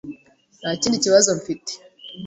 Ntakindi kibazo mfite.